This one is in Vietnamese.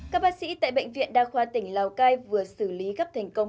các bác sĩ tại bệnh viện đa khoa tỉnh lào cai vừa xử lý gấp thành công